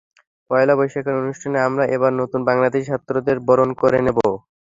পয়লা বৈশাখের অনুষ্ঠানে আমরা এবার নতুন বাংলাদেশি ছাত্রদের বরণ করে নেব।